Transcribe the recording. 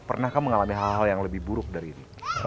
pernahkah mengalami hal hal yang lebih buruk dari ini